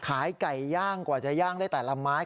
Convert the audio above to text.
ขายไก่ย่างกว่าจะย่างได้แต่ละไม้